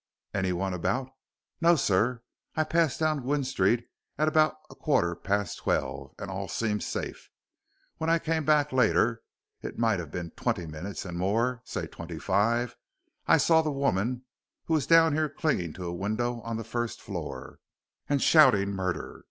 "Anyone about?" "No, sir. I passed down Gwynne Street at about a quarter past twelve and all seemed safe. When I come back later it might have been twenty minutes and more say twenty five I saw the woman who was down here clinging to a window on the first floor, and shouting murder.